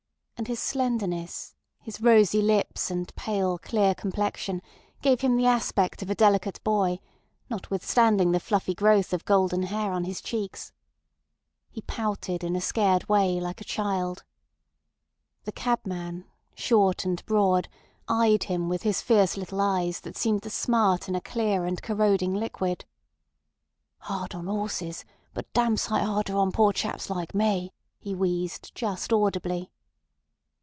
And his slenderness, his rosy lips and pale, clear complexion, gave him the aspect of a delicate boy, notwithstanding the fluffy growth of golden hair on his cheeks. He pouted in a scared way like a child. The cabman, short and broad, eyed him with his fierce little eyes that seemed to smart in a clear and corroding liquid. "'Ard on 'osses, but dam' sight 'arder on poor chaps like me," he wheezed just audibly.